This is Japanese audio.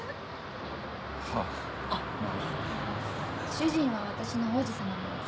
主人は私の王子さまなんです。